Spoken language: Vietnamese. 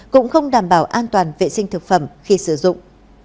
cũng không đảm bảo an toàn vệ sinh thực phẩm khi sử dụng